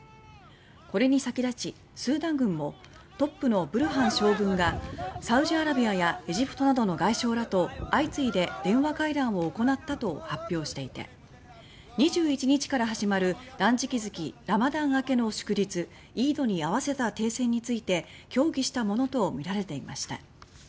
これに先立ち、スーダン軍もトップのブルハン将軍がサウジアラビアやエジプトなどの外相らと相次いで電話会談を行ったと発表していて２１日から始まる断食月ラマダン明けの祝日「イード」に合わせた停戦について協議したものとみられていました。